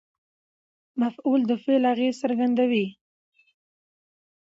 مفعول د فعل اغېز څرګندوي.